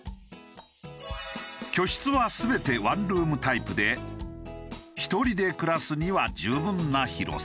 居室は全てワンルームタイプで１人で暮らすには十分な広さ。